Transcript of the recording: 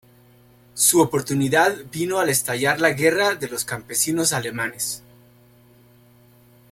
Su oportunidad vino al estallar la Guerra de los campesinos alemanes.